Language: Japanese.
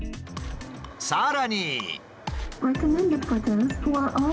さらに。